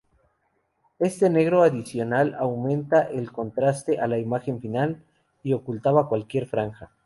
Este negro adicional aumentaba el contraste de la imagen final y ocultaba cualquier franja.